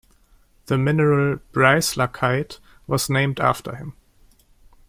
The mineral Breislakite was named after him.